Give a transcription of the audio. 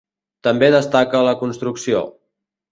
També destaca la construcció.